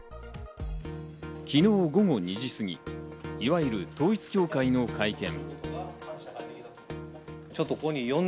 昨日午後２時過ぎ、いわゆる統一協会の会見。